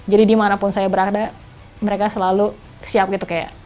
jadi dimanapun saya berada mereka selalu siap gitu kayak